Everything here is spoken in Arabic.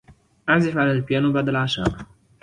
أعزف على البيانو بعد العشاء.